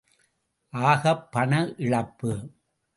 ஆகப் பண இழப்பு!